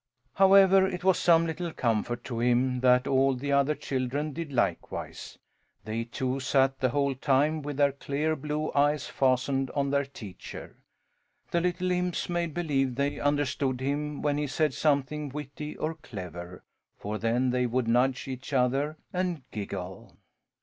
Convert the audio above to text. However, it was some little comfort to him that all the other children did likewise. They, too, sat the whole time with their clear blue eyes fastened on their teacher. The little imps made believe they understood him when he said something witty or clever; for then they would nudge each other and giggle.